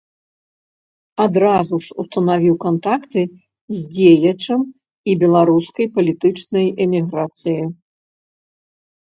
Адразу ж устанавіў кантакты з дзеячам і беларускай палітычнай эміграцыі.